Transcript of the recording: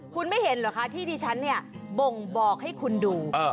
คุณไม่เห็นเหรอคะที่ที่ฉันบ่งบอกให้คุณดู